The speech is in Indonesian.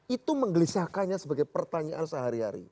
itu menggelisahkannya sebagai pertanyaan sehari hari